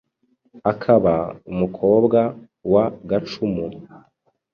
akaba, umukobwa wa Gacumu.